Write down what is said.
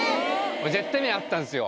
絶対目合ったんすよ